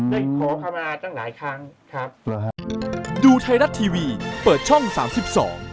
ได้ขอข้ามาตั้งหลายครั้งครับ